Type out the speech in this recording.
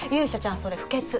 それ不潔！